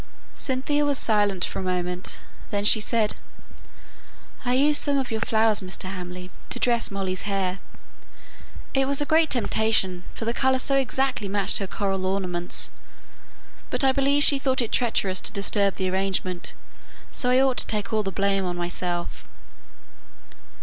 Cynthia was silent for a moment; then she said, "I used some of your flowers, Mr. Hamley, to dress Molly's hair. It was a great temptation, for the colour so exactly matched her coral ornaments; but I believe she thought it treacherous to disturb the arrangement, so I ought to take all the blame on myself."